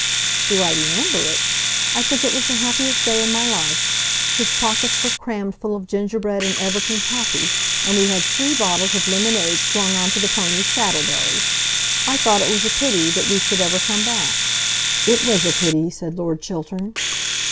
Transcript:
"Do I remember it? I think it was the happiest day in my life. His pockets were crammed full of gingerbread and Everton toffy, and we had three bottles of lemonade slung on to the pony's saddlebows. I thought it was a pity that we should ever come back." "It was a pity," said Lord Chiltern.